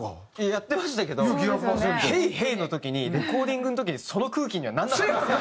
やってましたけど「ＨｅｙＨｅｙ」の時にレコーディングの時にその空気にはなんなかったです。